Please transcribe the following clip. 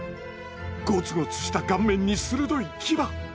ゴツゴツした顔面に鋭い牙！